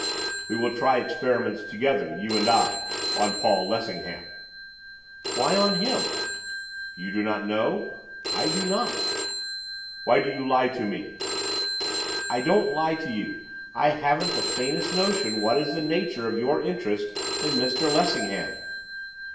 'We will try experiments together, you and I, on Paul Lessingham.' 'Why on him?' 'You do not know?' 'I do not.' 'Why do you lie to me?' 'I don't lie to you, I haven't the faintest notion what is the nature of your interest in Mr Lessingham.